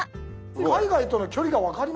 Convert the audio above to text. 海外との距離が分かりますね。